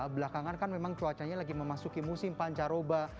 belakangan kan memang cuacanya lagi memasuki musim pancaroba